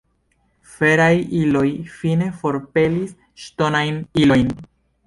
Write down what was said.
Feraj iloj fine forpelis ŝtonajn ilojn.